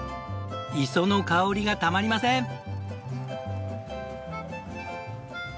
磯の香りがたまりません！